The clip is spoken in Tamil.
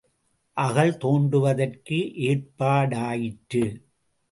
அகழ் தோண்டுவதற்கு ஏற்பாடாயிற்று.